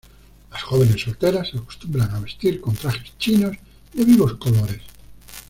Las jóvenes solteras acostumbran a vestir con trajes chinos de vivos colores.